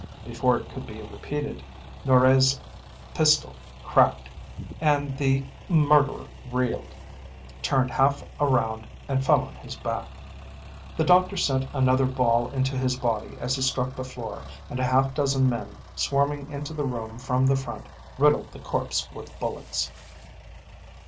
Before it could be repeated Noiret's pistol cracked and the murderer reeled, turned half around and fell on his back. The doctor sent another ball into his body as he struck the floor, and half a dozen men, swarming into the room from the front, riddled the corpse with bullets.